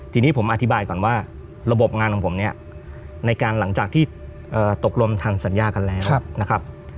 ทีนี้ผมอธิบายก่อนว่าระบบงานของผมเนี่ยในการหลังจากที่ตกลงทางสัญญากันแล้วนะครับ